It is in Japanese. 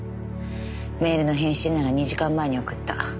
メールの返信なら２時間前に送った。